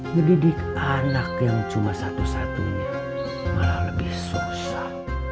mendidik anak yang cuma satu satunya malah lebih susah